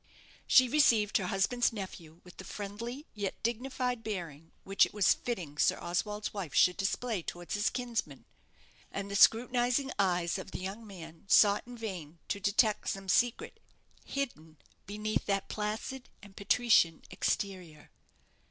She received her husband's nephew with the friendly, yet dignified, bearing which it was fitting Sir Oswald's wife should display towards his kinsman; and the scrutinizing eyes of the young man sought in vain to detect some secret hidden beneath that placid and patrician exterior.